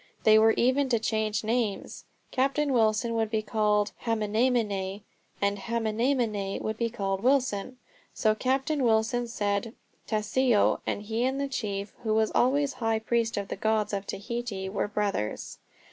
They were even to change names. Captain Wilson would be called Haamanemane, and Haamanemane would be called Wilson. So Captain Wilson said "Taio," and he and the chief, who was also high priest of the gods of Tahiti, were brothers.